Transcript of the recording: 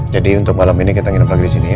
jadi untuk malam ini kita nginep lagi disini ya